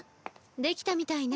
出来たみたいね。